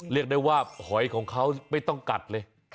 เรียกได้ว่าหอยของเขาไม่ต้องกัดเลย